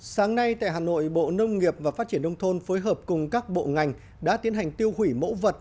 sáng nay tại hà nội bộ nông nghiệp và phát triển nông thôn phối hợp cùng các bộ ngành đã tiến hành tiêu hủy mẫu vật